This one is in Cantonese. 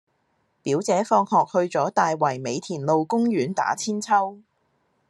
表姐放學去左大圍美田路公園打韆鞦